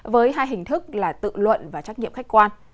với hai hình thức là tự luận và trách nhiệm khách quan